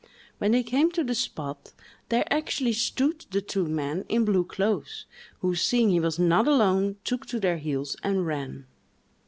When they came to the spot, there actually stood the two men in blue clothes, who, seeing he was not alone, took to their heels and ran.